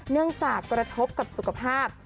เนื่องจากกระทบกับสุขภาพ